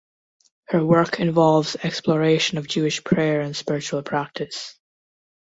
Her work involves exploration of Jewish prayer and spiritual practice.